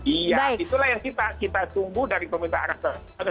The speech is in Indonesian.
iya itulah yang kita tunggu dari pemerintah arab saudi